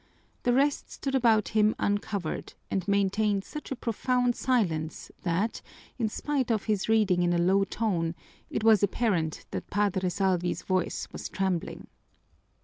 The rest stood about him uncovered, and maintained such a profound silence that, in spite of his reading in a low tone, it was apparent that Padre Salvi's voice was trembling.